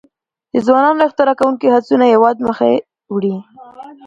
د ځوانو اختراع کوونکو هڅونه هیواد مخکې وړي.